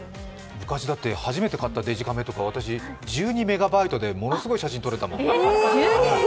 昔初めて買ったデジカメとか１２メガバイトでものすごい写真撮れたもん。